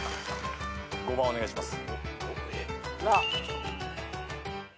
５番お願いします。